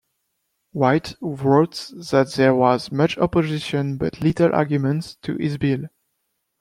White wrote that there was "much opposition but little argument" to his bill.